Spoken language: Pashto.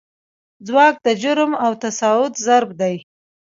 ځواک د جرم او تساعد ضرب دی.